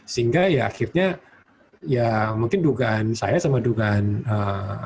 sehingga akhirnya mungkin dugaan saya sama dugaan pakar mikrobiologi